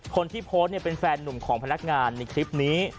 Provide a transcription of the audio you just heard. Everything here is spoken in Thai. คนที่โพสต์เป็นแฟนหนุ่มของพนักงานในคลิปนี้